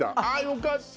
よかった！